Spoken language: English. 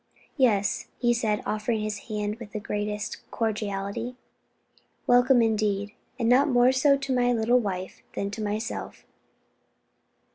"Yes," he said, offering his hand with the greatest cordiality, "welcome indeed, and not more so to my little wife than to myself."